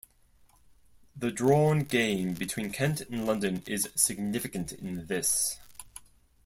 The drawn game between Kent and London is significant in this.